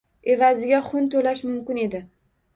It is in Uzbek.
Evaziga xun toʻlash mumkin edi.